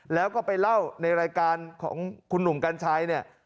แล้วก็ไปเล่าในรายการของคุณหนุ่มกัญชัยเนี่ย